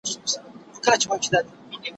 يوه ويل کور مي تر تا جار، بل واښکى ورته هوار کی.